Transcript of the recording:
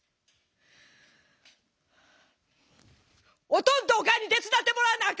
「おとんとおかんに手伝ってもらわなあ